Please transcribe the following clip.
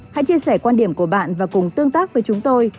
hãy chia sẻ quan điểm của bạn và cùng tương tác với chúng tôi